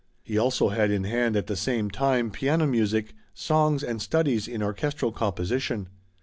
He also had in hand at the same time piano music, songs, and studies in orchestral composition.